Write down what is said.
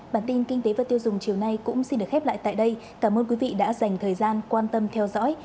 bản tin kinh tế và tiêu dùng chiều nay cũng xin được khép lại tại đây cảm ơn quý vị đã theo dõi và hẹn gặp lại